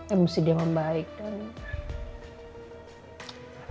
emosi dia membaikkan